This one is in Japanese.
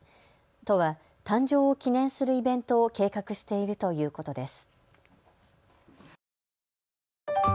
都は誕生を記念するイベントを計画しているということです。